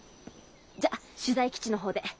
じゃ取材基地の方で。